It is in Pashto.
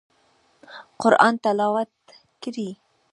قرآن تلاوت کړئ